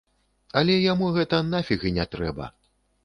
Але яму гэта нафіг і не трэба.